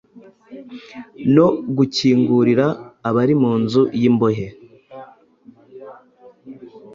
no gukingurira abari mu nzu y’imbohe,